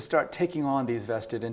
adalah untuk memulai menjalankan